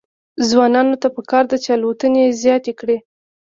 ځوانانو ته پکار ده چې، الوتنې زیاتې کړي.